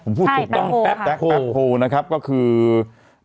ผมพูดถูกถ้องแจ๊กปั๊บโฮนะครับก็คือแจ๊กปั๊บโฮ